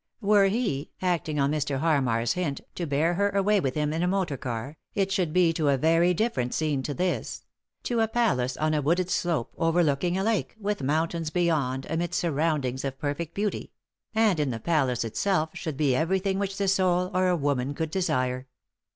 Were he, acting on Mr. Harmar'a hint, to bear her away with him in a motor car, it should be to a very different scene to this ; to a palace on a wooded slope, overlooking a lake, with mountains beyond, amid surroundings of perfect beauty ; and in the palace itself should be everything which the soul 01 a woman could desire.